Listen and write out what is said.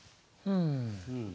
うん。